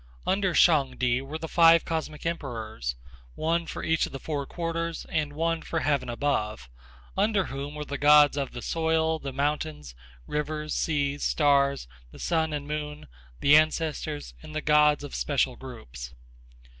Under Shang Ti were the five cosmic emperors, one for each of the four quarters and one for heaven above, under whom were the gods of the soil, the mountains, rivers, seas, stars, the sun and moon, the ancestors and the gods of special groups.